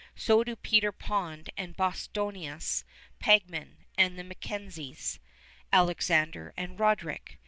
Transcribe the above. So do Peter Pond and Bostonnais Pangman, and the MacKenzies, Alexander and Roderick.